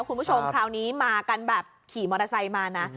คุณผู้ชมคราวนี้มากันแบบขี่มอเตอร์ไซค์มานะ